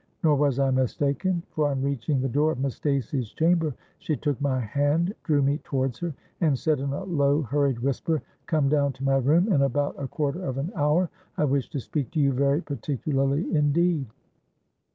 Nor was I mistaken: for, on reaching the door of Miss Stacey's chamber, she took my hand, drew me towards her, and said in a low, hurried whisper, 'Come down to my room in about a quarter of an hour: I wish to speak to you very particularly indeed.'